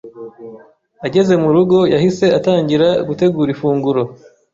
Ageze murugo, yahise atangira gutegura ifunguro.